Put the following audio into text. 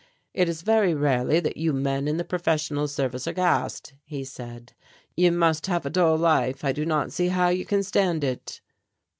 "It is very rarely that you men in the professional service are gassed," he said. "You must have a dull life, I do not see how you can stand it."